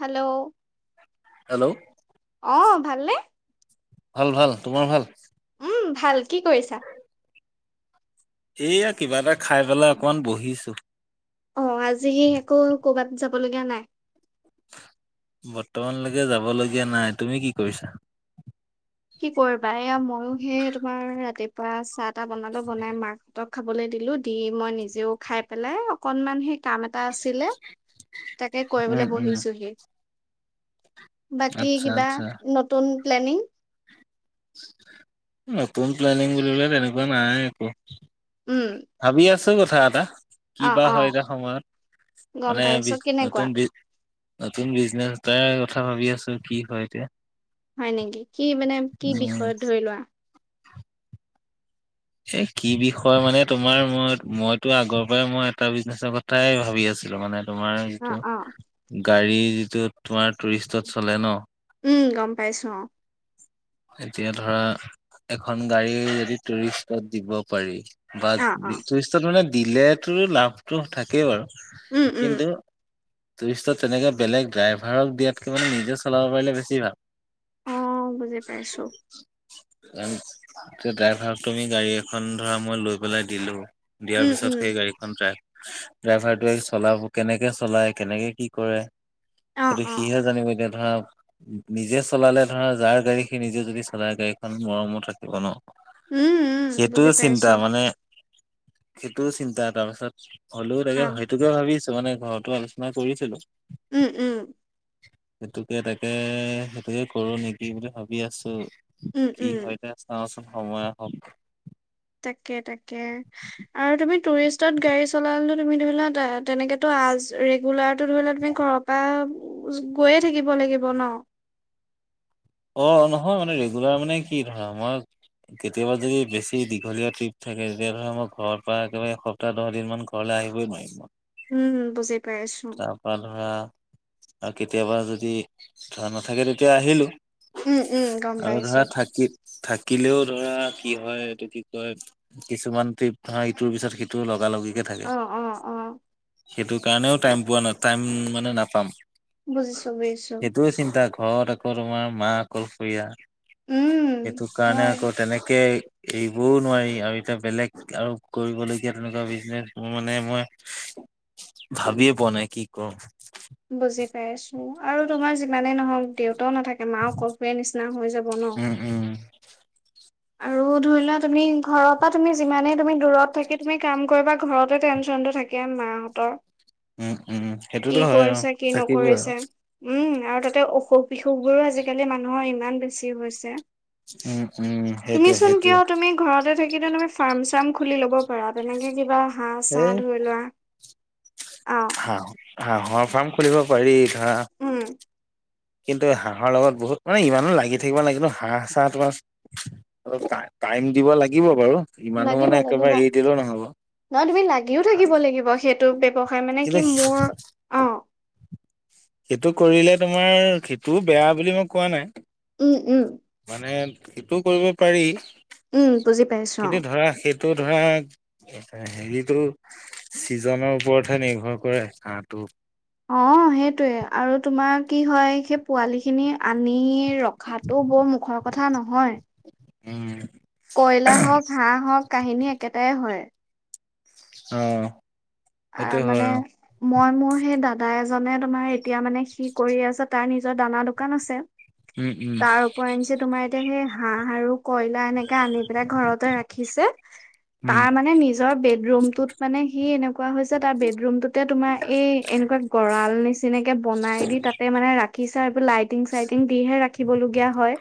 Hello. Hello অ' ভালনে? ভাল, ভাল। তোমাৰ ভাল? উম, ভাল। কি কৰিছা? এইয়া কিবা এটা খাই পেলাই অকমান বহিছো। অ' আজি আকৌ কৰ'বাত যাব লগীয়া নাই। বৰ্তমানলৈকে যাব লগগীয়া নাই। তুমি কি কৰিছা? কি কৰিবা এয়া মইো সেই তোমাৰ ৰাতিপুৱা চাহ তাহ বনালো বনাই মাক হতক খাবলৈ দিলো, দি মই নিজেও খাই পেলাই অকনমান হে কাম এটা আছিলে, তাকে উম কৰিবলৈ উম বহিছোহি। বাকী আচ্ছা কিবা আচ্ছা নতুন প্লেনিং। নতুন প্লেনিং বুলিলে তেনেকুৱা নাই একো। উম, ভাবি আছো কথা আটা। কি অ' বা অ' হয় এতিয়া সময়ত গম মানে বি পাইছো কেনেকুৱা নতুন বি নতুন বিজনেছ এটাৰ কথা ভাবি আছো কি হয় এতিয়া। হয়, নেকি কি মানে কি উম বিষয়ত ধৰি লোৱা। এ, কি বিষয় মানে তোমাৰ মই, মইতো আগৰ পৰাই মই এটা বিজনেচৰ কথাই ভাবি আছিলো মানে। তোমাৰ অ' যিটো অ' গাড়ী যিটো তোমাৰ টুৰিষ্টত চলে ন। উম, গম পাইছো অ'। এতিয়া ধৰা এখন গাড়ী যদি টুৰিষ্টত দিব পাৰি। বাজ অ' অ' ইষ্টেচনত মানে দিলে তো লাভটো থাকেই বাৰু। উম, উম, কিন্ত টুৰিষ্টত তেনেকে বেলেগ ড্ৰাইভাৰক দিয়াতকে মানে নিজে চলাব পাৰিলে বেছি ভাল। ম, বুজি পাইছো। এ, ড্ৰাইভাৰক তুমি গাড়ী এখন ধৰা মই লৈ পেলাই দিলো। দিয়াৰ উম, পিছত উম। সেই গাড়ী ড্ৰাই, ড্ৰাইভাৰটোৱে চলাব কেনেকে চলাই কেনেকে কি কৰে। অ', সেইটো, অ', সিহে জানিব এতিয়া ধৰা নিজে চলালে ধৰা যাৰ গাড়ী সি নিজে যদি চলাই গাড়ীখন মৰমত ৰাখিব ন। উম, উম, সেইটো বুজি চিন্তা পাইছো। মানে সেইটোও চিন্তা তাৰপিছত হ'লেও তাকে হয়। অ', সেইটোকে ভাবি আছো মানে ঘৰতো আলোচনা কৰিছিলো। উম, উম। সেইটোকে তাকে সেইটোকে কৰো নেকি বুলি ভাবি আছো। উম, কি উম, হয় দে চাওচোন সময় আহক। তটাকে, তটাকে আৰু তুমি টুৰিষ্টত গাড়ী চলালে তুমি ধৰিলা তেনেকেতো আজ ৰেগুলাৰ টো ধৰি লোৱা তুমি ঘৰৰ পৰা গৈয়ে থাকিব লাগিব ন। অ, নহয় মানে ৰেগুলাৰ মানে কি ধৰা মই কেতিয়াবা যদি বেছি দীঘলীয়া ট্ৰিপ থাকে তেতিয়া ধলে মই ঘৰ পৰা একেবাৰে দুটা, দহ দিন মান ঘৰলৈ আহিবই নোৱাৰিম মই। উম, বুজি পাইছো। ৰা ধৰা আৰু কেতিয়াবা যদি ধৰা নাথাকে তেতিয়া আহিলোঁ। উম, উম, গম আৰু পাইছো। ধৰা থাকি-থাকিলেও ধৰা কি হয় এইটো কি কয় কিছুমান টিপ হা, ইটোৰ পিছত সিটো লগা লগি থাকে, অ', অ', অ', সেইটোৰ কাৰণেও টাইম পোৱা নাই টাইম মানে নাপাম। বুজিছো, বুজিছো। সেইটোৱে চিন্তা ঘৰত আকৌ তোমাৰ মা অকলশৰীয়া। উম, সেইটো কাৰণে হয়, আকৌ তেনেকে এইবোৰও নোৱাৰি আৰু এতিয়া বেলেগ আৰু কৰিবলগীয়া তেনেকুৱা বিজনেচ মোৰ মানে মই ভাবিয়ে পোৱা নাই কি কৰো। বুজি পাইছো আৰু তোমাৰ যিমানেই নহক দেউতাও নাথাক মাঁও কল্পে নিচিনা হৈ যাব ন। উম উম। আৰু ধৰি লোৱা তুমি ঘৰৰ পৰা তুমি যিমানে তুমি দূৰত থাকি তুমি কাম কৰিবা ঘৰতে টেনশ্যনটো থাক [unintelligible] মাহঁতৰ উম উম সেইটোতো কি হয় আৰু কৰিছে কি থাকিবই আৰু নকৰিছা। উম, আৰু তাতে অসুখ, বিসুখবোৰো আজিকালি মানুহৰ ইমান বেছি হৈছে। উম, উম। তুমি সেইটোৱে চোন সেইটোৱে কিয় তুমি ঘৰতে থাকিলে তুমি ফাৰ্ম, চাৰ্ম খুলি ল'ব পাৰা তেনেকে কিবা। হাঁহ, চাহ এই ধৰি লোৱা, অ'। হাঁহ হাঁহৰ ফাৰ্ম খুলিব পাৰি ধৰা। উ। কিন্তু হাঁহৰ লগত বহুত, মানে ইমানো লাগি থাকিব [unintelligible] কিন্তু হাঁহ চাঁহ তোমাৰ অল টা, টাইম দিব লাগিব বাৰু। ইমানো মানে একেবাই এৰি দিলেও নহ'ব। নয় তুমিও লাগিও থাকিব লাগিব সেটো ব্যৱসায় মানে কি কিন্তু মোৰ অ সেটো কৰিলে তোমাৰ, সেটোও বেয়া বুলি মই কোৱা নাই। উ, উ। মানে সেটোও কইব পাৰি, উম বুজি পাইছো অ কিন্তু ধৰা সে ত' ধৰা এ হে-হেৰিটো ছিজন ওপৰতহে নিৰ্ভৰ কৰে, হাঁহটো। অ' হেটোৱে আৰু তোমাৰ কি হয় সেই পোৱালি খিনি আনি ৰখাটো বৰ মুখৰ কথা নহয়। উ। কয়লা হওঁক, হাঁহ হওঁক কাহিনী একেটাই হয়। অ'। সেইটো আ হয় মানে অ মই মোৰ হেই দাদা এজনে তোমাৰ এতিয়া মানে সি কৰি আছে তাৰ নিজৰ দানা দোকান আছে। উম উম তাৰ ওপৰ এনছি তোমাৰ এতিয়া হেই হাঁহ আৰু কয়লা এনেকে আনি পেলাই ঘৰতে ৰাখিছে, উম তাৰ মানে নিজ জৰ বেড ৰুমটোত মানে সি এনেকুৱা হৈছ ছে তাৰ বেড ৰুমটোতে তোমাৰ এই এনেকুৱা গঁড়াল নিচিনাকে বনাই দি তাত তাতে মানে ৰাখিছে। এবোৰ লাইটিং চাইটিং দিহে ৰাখিবলগীয়া হয়।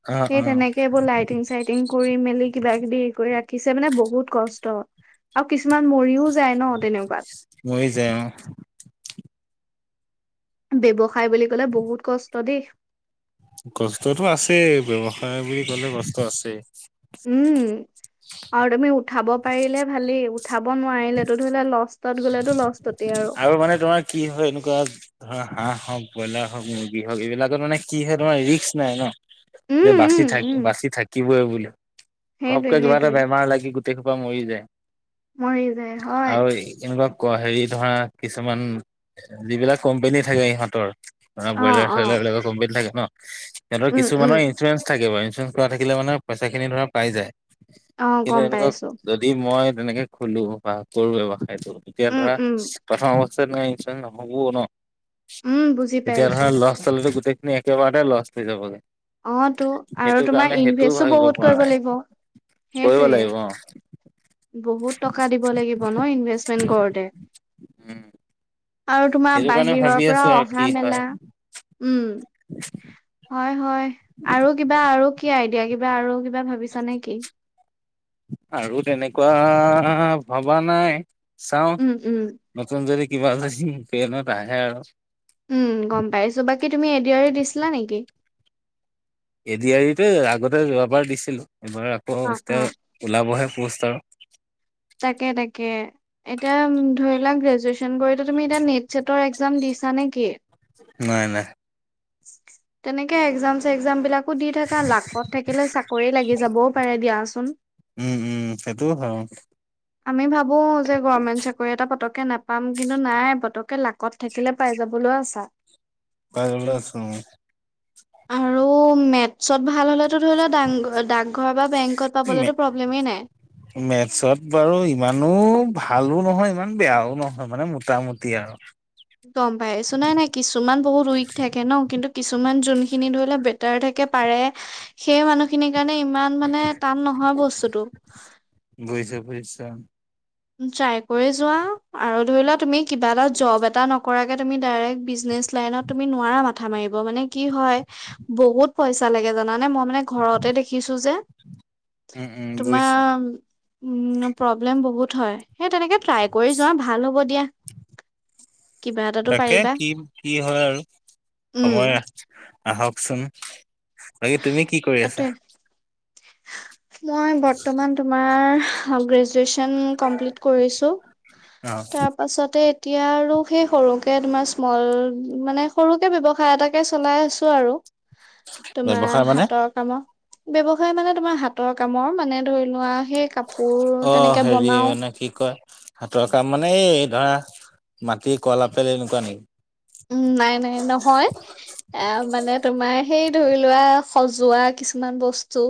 অ'। হেই অ তেনেকে এবোৰ লাইটিং চাইটিং কৰি মেলি কিবা কিবি এই কই ৰাখিছে মানে বহুত কষ্ট। আও কিছুমান মৰিও যায় ন। তেনেকুৱাত মই যায় অ'। ব্যৱসায় বুলি ক'লে বহুত কষ্ট দেই। কষ্টটো আছেই, ব্যৱসায় বুলি ক'লে কষ্ট আছে। উ, আও তুমি উঠাব পাৰিলে ভালেই, উ ঠাব নোৱাৰিলেটো ধই লষ্টতত গ'লেতো লষ্টততেই আৰু। আৰু মানে তোমাক কি হয় এনেকুৱা ধৰা হাঁহ হওঁক, ব্ৰইলাৰ হওঁক, মুৰ্গী হওঁক এইবিলাকত মানে কি হয় তোমাৰ ৰিক্স নাই ন। উম যে বাচি উম থাক, উম বাচি থাকিবই বুলি, সেইটোৱে ঘপকে কিবা এটা সেইটোৱে বেমাৰ লাগি গোট টে সোপা মৰি যায়। মৰি যায়। হয়। আও এনেকুৱাক ক হেই ধৰা, কিছুমান, যিবিলাক কম্পেনী থাকে ইহঁতৰ মানে অ', ব্ৰইলাৰ চইলাৰ অ', এবিলাকৰ [unintelligible] থাকে ন? এহঁতৰ উম, উম, কিছুমানৰ ইঞ্চুৰেঞ্চ থাকিব, ইঞ্চুৰেঞ্চ কৰা থাকিলে মানে পইচাখিনি ধৰা পাই যায়। অ', কিন্তু গম এনেকুৱা পাইছো। যদি মই তেনেকে খোলোঁ, বা কৰোঁ ব্যৱসায়টো। এতিয়া উম, ধৰা, উম, প্ৰথম অৱস্থাত মানে ইঞ্চুৰেঞ্চ নহ'বও ন। উম, বুজি এতিয়া পাইছো। ধৰা লছ খালেটো গোটেইখিনি একেবাৰতে লষ্ট হৈ যাবগে। অ', তো আৰু হেটো তোমাৰ কাৱণে হেটোও ইনভেষ্টো ভাবিব বহুত পৰা কৰিব নাই। লাগিব। কইব সেইটোয়ে লাগিব অ'। বহুত টকা দিব লাগিব ন ইনভেষ্টমেন্ট কৰোঁতে। উম আৰু তোমাৰ সেইটো কাৰণে বাহিৰৰ ভাবি পৰা আছো আৰু অহা কি হয় মেলা। উম। হয়, হয় আৰু কিবা, আৰু কি আই ইয়া কিবা আৰু কিবা ভাবিছা নে কি? আৰু তেনেকুৱা ভবা নাই। চাওঁ, উম, উম, নতুন যদি কিবা যদি ব্ৰেইনত আহে আৰু। উ, গম পাইছোঁ। বাকী তুমি এদিআৰি দিছিলা নেকি? এদি আৰিটো আগতে যোৱাবাৰ দিছিলোঁ, এইবাৰ আকৌ অ', অ', এতিয়া উলাবহে পোষ্ট আৰু। তাকে তাকে। এতিয়া ধৰি লোৱা গ্ৰেজুৱেচন কৰিতো তুমি এতিয়া নেট চেটৰ এক্জাম দিছা নে কি? নাই নাই। তেনেকে এক্জাম চেগ্জাম বিলাক দি থাকা, লাকত থাকিলে চাকৰি লাগি যাবও পাৰে দিয়াচোন। উ, উ, সেইটোও হয়, অ'। আমি ভাবোঁ যে গৰমেণ্ট চাকৰি এটা পটককে নাপাম, কিন্তু নাই পতককে লাকত থাকিলে পাই যাবলৌ আছা। পাই গ'লা আছোঁ। আৰু মেতছত ভাল হ'লেতো ধৰি লোৱা ডাং ডাং ঘৰ বা বেংকত মে পাবলৈতো প্ৰব্লেমেই নাই। মেথছত বাৰু ইমানো ভালো নহয় ইমান বেয়াও নহয় মানে মোটামুটি আৰু। গম পাইছো, নাই নাই কিছুমান বহুত উইক থাকে ন'? কিন্তু কিছুমান জোনখিনি ধৰি লোৱা বে টাৰ থাকে পাৰে, সেই মানুহখিনিৰ কাৰণে ইমান মানে টান নহয় বস্তুতটো। বুজিছো, বুজিছো। ট্ৰাই কৰি যোৱা, আৰু ধৰি লোৱা তুমি কিবা এটা জব এটা নকৰাকে তুমি ডাইৰেক্ট বিজনেচ লাইনত তুমি নোৱাৰা মাথা মাৰিব মানে কি হয়, বহুত পইচা লাগে জানানে মই মানে ঘৰতে দেখিছোঁ যে। উম উম বুজিছো তোমাৰ উ, প্ৰব্লেম বহুত হয়। সেই তেনেকে ট্ৰাই কৰি যোৱা ভাল হ'ব দিয়া। কিবা এটাতো তাকে পাৰিবা কি কি হয় আৰু। উম সময়াহ আহকচোন। বাকী তুমি কি কৰি আছা? এইটোৱে মই বৰ্তমান তোমাৰ অগ্ৰেজ জছন কমপ্লিট কৰিছো। অ তাৰপাছতে এতিয়া আৰু সেই সৰুকে তোমাৰ স্মল মানে সৰুকে ব্যৱসায় এটাকে চলাই আছোঁ আৰু। তোমাৰ ব্যৱসায় মানে হাতৰ কামৰ। ব্যৱসায় মানে তোমাৰ হাতৰ কামৰ মানে ধৰি লোৱা সেই কাপ অ' হেৰি মানে কি কয় হাতৰ কাম মানে এই ধৰা, মাটি কল, আপেল, এনেকুৱা নেকি? উ, নাই, নাই নহয়। এ, মানে তোমাৰ সেই ধৰি লোৱা সজোৱা কিছুমান বস্তু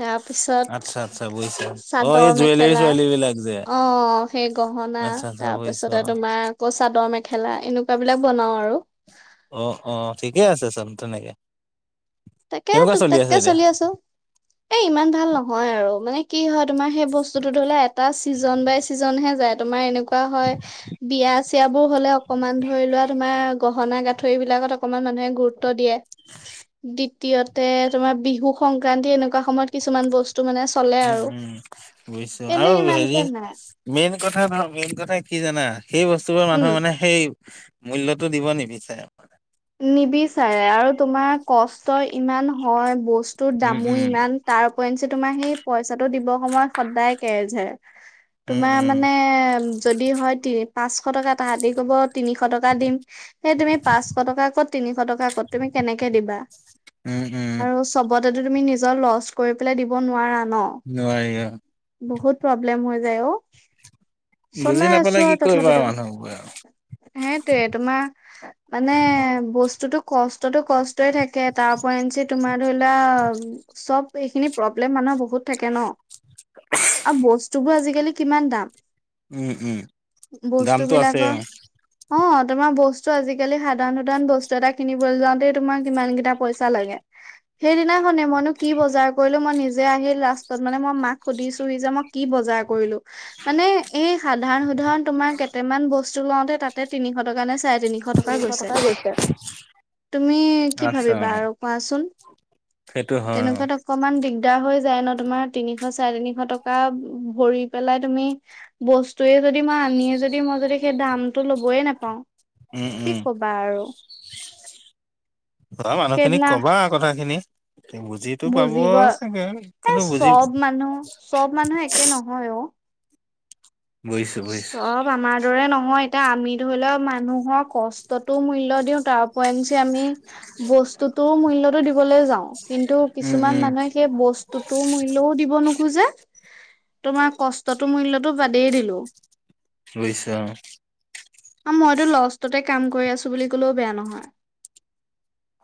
তাৰপিছত, আচ্ছা আচ্ছা বুজিছো অ এই চাদৰ জুৱেলাৰী মেখেলা। চুৱেলাৰী বিলাক যে অ'। সেই গহনা, আচ্ছা আচ্ছা তাৰ বুজিছো পাছতে অ। তোমাৰ আকৌ চাদৰ মেখেলা এনেকুৱা বিলাক বনাও আৰু। অ' অ', ঠিকে আছেচোন তেনেকে। তাকে কেনেকুৱা টুক আছে টাককে এতিয়া চলি আছোঁ। এ, ইমান ভাল নহয় আৰু মানে কি হয় তোমাৰ সেই বস্তূটো ধৰি লোৱা এটা ছিজন বাই ছিজনহে যায়। তোমাৰ‌ এনেকোৱা হয় বিয়া চিয়াবোৰ হ'লে অকণমান ধৰি লোৱা তোমাৰ গহনা গাঁঠৰিবিলাকত অকমান মানুহে গুৰুত্ব দিয়ে। দ্বিতীয়তে তোমাৰ বিহু সংক্ৰান্তি এনেকুৱা সময়ত কিছুমান বস্তু টো মানে চলে উম আৰু। উম। বুজিছো আৰু এনে হেৰি ইমানকে নাই। মেইন কথা ধৰ, মেইন কথা কি জানা, সেই বস্তুবোৰ উম মানুহৰ মানে সেই মূল্যতটো দিব নিবিচাৰে মানে। নিবিচাৰে আৰু তোমাৰ কষ্ট ইমান হয়, বস্তুৰ উম দামো উম ইমান তাৰ উপৰিঞ্চি তোমাৰ সেই পইচাটো দিবৰ সময়ত সদায় কে জেৰ। উম তোমাৰ উম মানে যদি হয় তি পাঁচশ টকা তাহাঁতি ক'ব তিনিশ টকা দিম, সেই তুমি পাঁচ শ টকা ক'ত তিনিশ টকা ক'ত তুমি কেনেকে দিবা। উম উম। আৰু চবতেতো তুমি নিজৰ লচ কৰি পেলাই দিব নোৱাৰা ন'। নোৱাৰি অ'। বহুত প্ৰব্লেম হৈ যায় অ'। বুজি চলাই নাপালে আছো কি আৰু কৰিবা তথাপিতো। মানুহবোৰে আৰু সেইটোয়ে তোমাৰ মানে বস্তুতো কষ্টতো কষ্টই থাকে, তাৰউপৰঞ্চি তোমাৰ ধৰিলোৱা চব এইখিনি প্ৰব্লেম মানুহৰ বহুত বহুত থাকে ন' আৰু বস্তুবোৰ আজিকালি কিমান দাম। উম উম দামটো আছে বস্তুবিলাকৰ অ। অহ, তোমাৰ বস্তু আজিকালি আজিকালি সাধাৰণ-সাধাৰাণ বস্তু এটা কিনিবলৈ যাওঁতেই তোমাৰ কিমান কেইটা পইচা লাগে। সেইদিনা সনেই মইনো কি বজাৰ কৰিলোঁ, মই নিজেই আহিল লাষ্টত মানে মই মাক সুধিছোহি যে মই কি বজাৰ কৰিলোঁ মানে এই সাধাৰণ-সুধাৰণ তোমাৰ কেতেমান বস্তু লওঁতে তাতে তিনিশ টকা নে, চাৰে তিনিশ গৈছে। তুমি কি আচ্ছা ভাবিবা অ', আৰু কোৱাচোন? সেইটো হয় অ'। তেনেকুৱা অকমান দিগদাৰ হৈ যায় ন' তোমাৰ, তিনিশ চাৰে তিনিশ টকা ভৰি পেলাই তুমি বস্তুৱেই যদি মই আনিয়ে যদি, মই যদি সেই দামটো ল'বয় নাপাওঁ। উম', উম'। বাৰু। ঘৰৰ মানুহখিনিক সেইদিনা কবা কথাখিনি। বুজিটো পাব বুজিব চাগে এ কিন্তু, বুজি তেনেকে নহয় অহ। বুজিছোঁ, বুজিছোঁ। চব আমাৰ দৰে নহয়, এতিয়া আমি ধৰি লওঁক মানুহৰ কষ্ট কষ্টতো‌ মূল্য দিওঁ তাৰ উপৰএঞ্চি আমি বস্তুটোৰ মূল্য দিবলৈ যাওঁ কিন্তু উম, উম। কিছুমান মানুহে সেই বস্তুতোৰ মূল্যও দিব নোখোজে। তোমাৰ কষ্টতো মূল্যটো বাদেই দিলোঁ। বুজিছোঁ আৰু। আৰু মইটো লষ্টতে কাম কৰি আছোঁ বুলি কলেও বেয়া নহয়।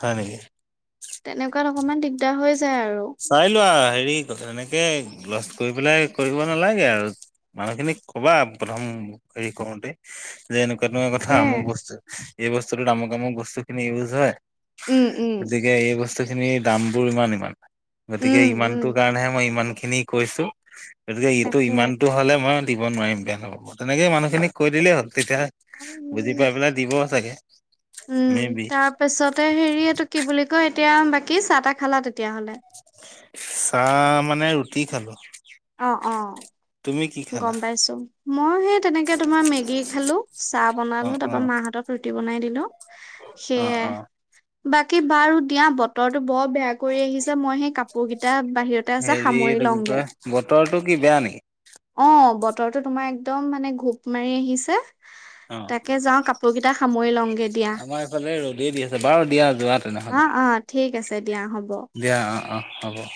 হয় নেকি? তেনেকুৱাত অকমান দিগদাৰ হৈ যায় আৰু। চাই লোৱা আৰু হেৰি এনেকে লছ কৰি পেলাই কৰিব নালাগে আৰু। মানুহখিনিক কবা প্ৰথম হেৰি কৰোতে, যে এনেকুৱা এনেকুৱা কথা তাকে আমুক বস্তু। এই বস্তুটোত আমুক-আমুক বস্তুখিনি ইউজ হয়। উম', উম'। গতিকে এই বস্তুখিনিৰ দামবোৰ ইমান-ইমান। গতিকে উম উম ইমানটো কাৰণেহে মই ইমানখিনি কৈছোঁ, গতিকে এইটো তাকে ইমানটো হ'লে মই দিব নোৱাৰি বেয়া নাপাব, তেনেকৈ মানুহখিনিক কৈ দিলেই হ'ল। তেতিয়াহে বুজি পাই পেলাই দিব চাগে। উম, মে বি তাৰপিছতে হেৰি এইটো কি বুলি কয়, এতিয়া বাকী চাহ-তাহ খালা তেতিয়াহ'লে? চাহ মানে ৰুটি খালোঁ। অহ', অহ'। তুমি কি খা গম পাইছোঁ। মই সেই তেনেকে তোমাৰ মেগী খালোঁ চাহ অ বনালোঁ তাৰপৰা মাহঁতক ৰুটি বনাই দিলোঁ। অহ', অহ'। বাকী বাৰু দিয়া, বতৰটো বৰ বেয়া। কৰি আহিছে, মই সেই কাপোৰ কেইটা বাহিৰতে আছে হেৰি সামৰি এইটো কি লওঁগে। কয় বতৰটো কি বেয়া নেকি? অহ, বতৰটো তোমাৰ একদম মানে ঘোপ মাৰি আহিছে। অ তাকে যাওঁ কাপোৰ কেইটা সামৰি লওঁগে দিয়া। ইফালে ৰ'দে দি আছে, বাৰু দিয়া যোৱা। তেনেহ'লে অহ', অহ' ঠিক আছে দিয়া হ'ব। দিয়া অহ', অহ' হ'ব।